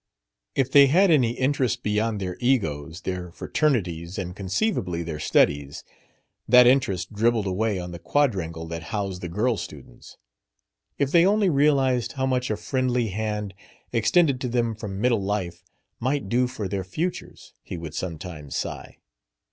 If they had any interest beyond their egos, their fraternities, and (conceivably) their studies, that interest dribbled away on the quadrangle that housed the girl students. "If they only realized how much a friendly hand, extended to them from middle life, might do for their futures...!" he would sometimes sigh.